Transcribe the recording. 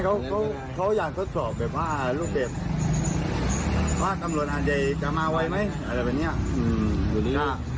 เขาอยากทดสอบแบบว่าอ่ารูปเจ็บว่าตำลวดอาจจะมาไว้ไหม